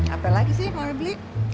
apa lagi sih mau dibeli